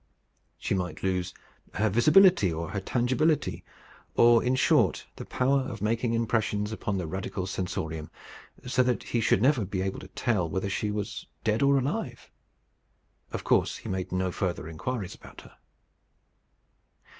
She might lose her visibility, or her tangibility; or, in short, the power of making impressions upon the radical sensorium; so that he should never be able to tell whether she was dead or alive. Of course he made no further inquiries about her.